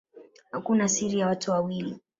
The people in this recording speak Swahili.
Hakuna siri ya watu wawili